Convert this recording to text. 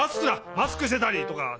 マスクしてたりとか。